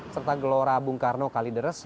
serta gelora bung karno kalideres